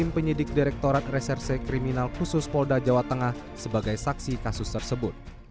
iwan menghubung penyidik direkturat reserse kriminal khusus polda jawa tengah sebagai saksi kasus tersebut